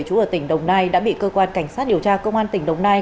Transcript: chú ở tỉnh đồng nai đã bị cơ quan cảnh sát điều tra công an tỉnh đồng nai